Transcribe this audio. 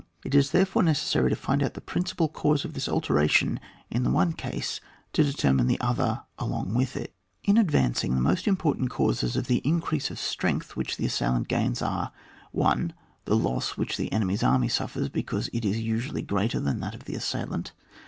It is therefore necessary to find out the principal cause of this alteration in the one case to determine the other along with it. In advancing, the most important causes of the increase of strength which the assailant gains, are :— 1 . The loss which the enemy's army suffers, because it is usually greater than that of the assailant.